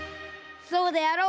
そうであろう。